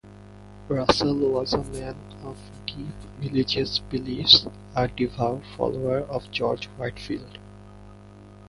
Russell was a man of deep religious beliefs, a devout follower of George Whitefield.